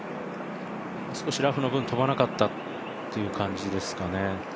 少しラフの分、飛ばなかったという感じですかね。